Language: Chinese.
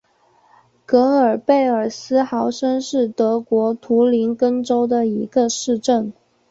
格尔贝尔斯豪森是德国图林根州的一个市镇。